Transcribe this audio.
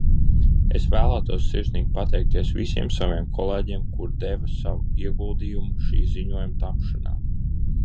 Es vēlētos sirsnīgi pateikties visiem saviem kolēģiem, kuri deva savu ieguldījumu šī ziņojuma tapšanā.